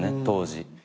当時。